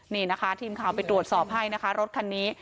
นี่นะคะทีมข่าวไปตรวจสอบให้นะคะรถคันนี้